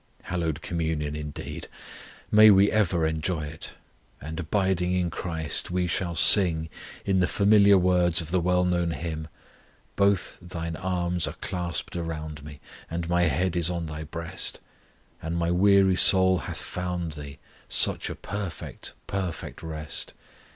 Hallowed communion indeed! May we ever enjoy it; and abiding in CHRIST, we shall sing, in the familiar words of the well known hymn Both Thine arms are clasped around me, And my head is on Thy breast; And my weary soul hath found Thee Such a perfect, perfect rest!